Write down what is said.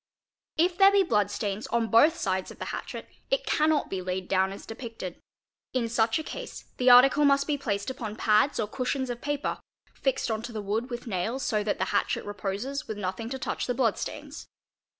If there be blood stains on both sides of the hatchet it cannot be laid down as depicted; in such a case the article must be placed upon pads or cushions of paper, fixed on to the wood with nails so that the hatchet reposes with nothing to touch the blood stains.